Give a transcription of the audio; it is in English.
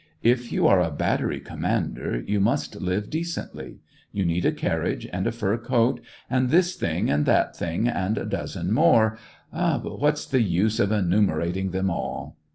If you are a battery commander, you must live decently ; you need a carriage, and a fur coat, and this thing and that thing, and a dozen more ... but what's the use of enumerating them all